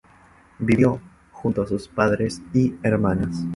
Vivió junto a sus padres y hermanas.